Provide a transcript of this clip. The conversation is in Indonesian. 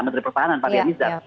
menteri pertahanan pak pianiza